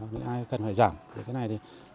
những ai cần hỏi giảng về cái này